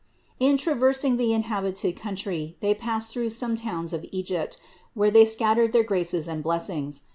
In traversing the inhabited country they passed through some towns of Egypt, where They scattered their graces and blessings.